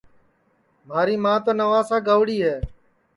مھاری ماں تو نوابشاہ گئیوڑِ ہے